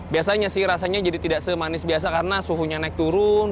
biasanya sih rasanya jadi tidak semanis biasa karena suhunya naik turun